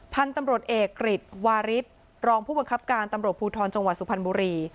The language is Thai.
พันธุ์ตำรวจเอกกริจวาริสรองผู้บังคับการตำรวจภูทรจังหวัดสุพรรณบุรี